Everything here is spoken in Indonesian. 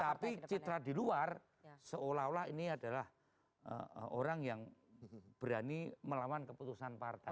tapi citra di luar seolah olah ini adalah orang yang berani melawan keputusan partai